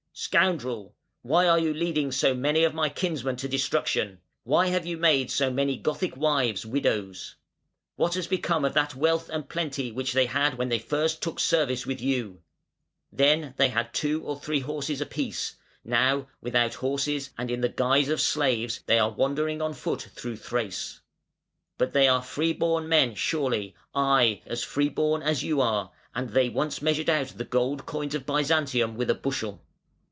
"Scoundrel! why are you leading so many of my kinsmen to destruction? why have you made so many Gothic wives widows? What has become of that wealth and plenty which they had when they first took service with you? Then they had two or three horses apiece; now without horses and in the guise of slaves, they are wandering on foot through Thrace. But they are free born men surely, aye, as free born as you are, and they once measured out the gold coins of Byzantium with a bushel".